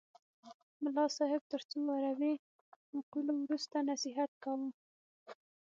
ملا صاحب تر څو عربي مقولو وروسته نصیحت کاوه.